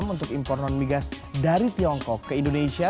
empat dua puluh enam untuk impor non migas dari tiongkok ke indonesia